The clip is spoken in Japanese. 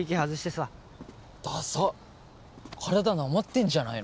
さっ体なまってんじゃないの？